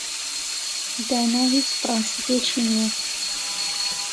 دانا هیچ پرەنسیپێکی نییە.